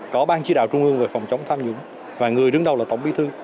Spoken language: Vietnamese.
có ban chỉ đạo trung ương về phòng chống tham nhũng và người đứng đầu là tổng bí thư